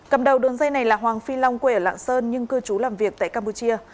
cầm đầu đường dây này là hoàng phi long quê ở lạng sơn nhưng cư trú làm việc tại campuchia